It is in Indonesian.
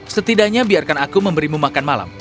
setidaknya biarkan aku memberimu makan malam